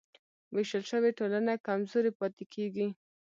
وېشل شوې ټولنه کمزورې پاتې کېږي.